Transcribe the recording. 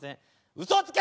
うそつけ！